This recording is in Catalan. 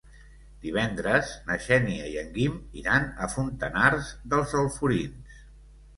Divendres na Xènia i en Guim iran a Fontanars dels Alforins.